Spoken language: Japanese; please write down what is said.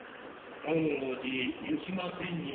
感応寺湯島天神。